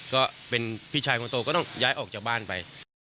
ก็เป็นพี่ชายคนโตก็ต้องย้ายออกจากบ้านไป